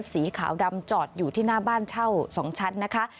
สีขาวดำจอดอยู่ที่หน้าบ้านเช่า๒ชั้นนะคะ